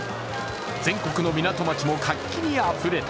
全国の港町も活気にあふれた。